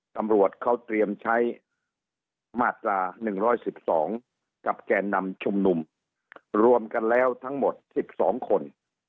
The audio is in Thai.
ตำรวจเขาเตรียมใช้มาตรา๑๑๒กับแก่นำชุมนุมรวมกันแล้วทั้งหมด๑๒คน